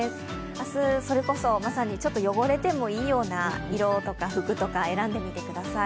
明日、それこそまさに、ちょっと汚れてもいいような色とか服とか選んでみてください。